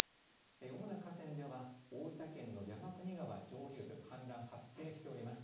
主な河川では、大分県の山国川上流部、氾濫発生しております。